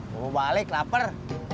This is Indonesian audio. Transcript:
mau balik lapar